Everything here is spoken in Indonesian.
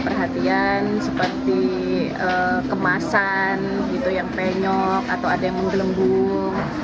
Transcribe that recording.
perhatian seperti kemasan gitu yang penyok atau ada yang menggelembung